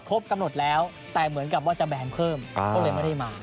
กำหนดแล้วแต่เหมือนกับว่าจะแบนเพิ่มก็เลยไม่ได้มา